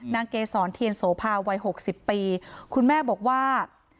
เกษรเทียนโสภาวัยหกสิบปีคุณแม่บอกว่า